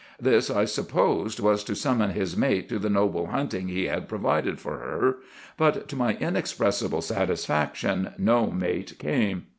This, I supposed, was to summon his mate to the noble hunting he had provided for her; but to my inexpressible satisfaction no mate came.